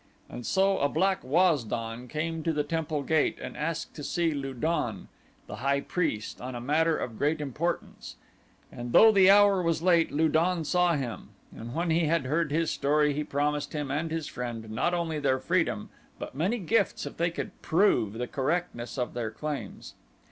And so a black Waz don came to the temple gate and asked to see Lu don, the high priest, on a matter of great importance, and though the hour was late Lu don saw him, and when he had heard his story he promised him and his friend not only their freedom but many gifts if they could prove the correctness of their claims.